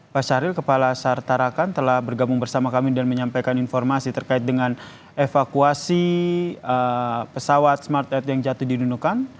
pak syahril kepala sar tarakan telah bergabung bersama kami dan menyampaikan informasi terkait dengan evakuasi pesawat smart at yang jatuh di nunukan